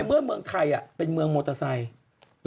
เมื่อเมืองไทยเป็นเมืองมอเตอร์ไซค์